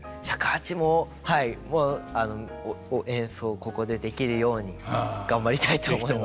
尺八もはいもう演奏をここでできるように頑張りたいと思います。